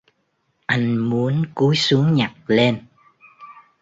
Anh muốn cúi xuống nhặt lên